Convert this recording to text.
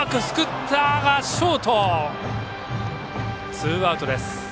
ツーアウトです。